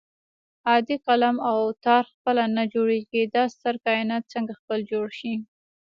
عادي قلم او تار خپله نه جوړېږي دا ستر کائنات څنګه خپله جوړ شي